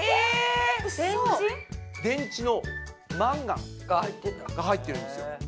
電池のマンガンが入ってるんですよ。